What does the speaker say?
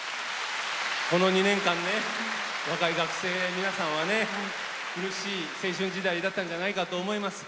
この２年間ね若い学生の皆さんはね苦しい青春時代だったんじゃないかと思います。